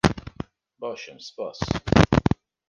Baş im, spas.